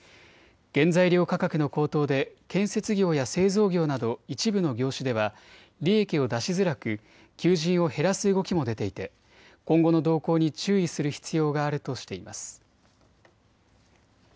原材料価格の高騰で建設業や製造業など一部の業種では利益を出しづらく求人を減らす動きも出ていて今後の動向に注意する必要があるとしています。